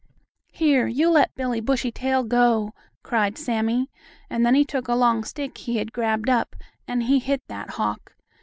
"Here, you let Billie Bushytail go!" cried Sammie, and then he took a long stick he had grabbed up, and he hit that hawk.